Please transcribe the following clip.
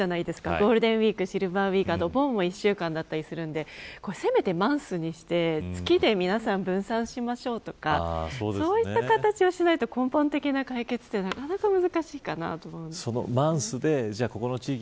ゴールデンウイークシルバーウイーク１週間だったりするので全てせめてマンスにして月で分散しましょうとかそういう形にしないと根本的な解決はなかなか難しいかなと思います。